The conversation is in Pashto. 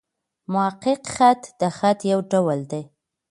محقق خط؛ د خط یو ډول دﺉ.